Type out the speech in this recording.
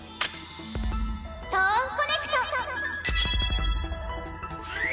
トーンコネクト！